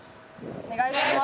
お願いします